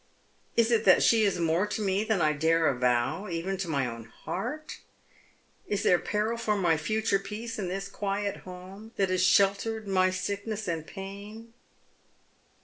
" Is it that she is more to me than I dare avow even to my own heart ? Is there peril for my future peace in this quiet home that has sheltered my sickness and pain?